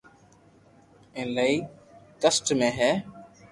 ايلائي ڪسٽ ۾ ھي